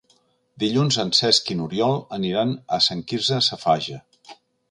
Dilluns en Cesc i n'Oriol aniran a Sant Quirze Safaja.